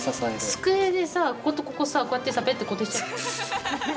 机でさこことここさこうやってペッて固定しちゃう。